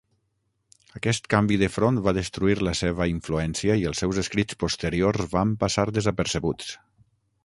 Aquest canvi de front va destruir la seva influència i els seus escrits posteriors van passar desapercebuts.